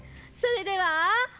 それでは。